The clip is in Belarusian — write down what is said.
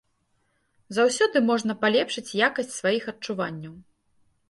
Заўсёды можна палепшыць якасць сваіх адчуванняў.